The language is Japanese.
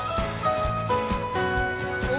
お！